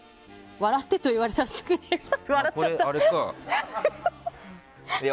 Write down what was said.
笑ってと言われたらすぐに笑顔を作れる。